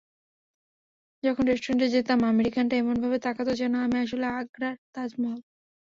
যখন রেস্টুরেন্টে যেতাম আমেরিকানরা এমনভাবে তাকাত যেন আমি আসলে আগ্রার তাজমহল।